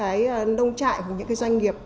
đấy nông trại của những doanh nghiệp